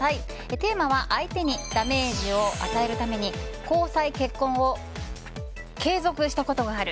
テーマは相手にダメージを与えるために交際・結婚を継続したことがある。